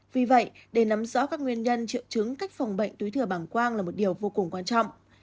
vì vậy để nắm rõ các nguyên nhân triệu chứng cách phòng bệnh túi thừa bảng quang là một điều vô cùng quan trọng